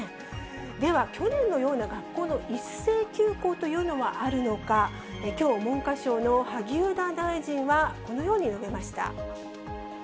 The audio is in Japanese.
では、去年のような学校の一斉休校というのはあるのか、きょう、文科省の萩生田大臣は、このように述べました。